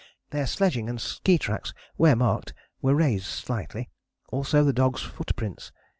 Their sledging and ski tracks, where marked, were raised slightly, also the dogs' footprints.